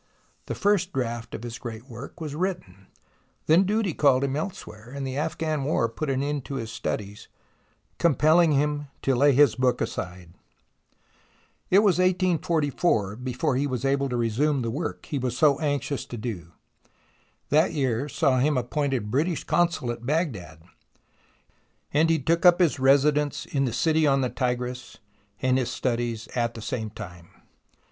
The first draft of his great work was written. Then duty called him elsewhere, and the Afghan War put an end to his studies, compelling him to lay his book aside. It was 1844 before he was able to resume the work he was so anxious to do. That year saw him appointed British Consul at Baghdad, and he took up his residence in the city on the Tigris and his studies at the same time.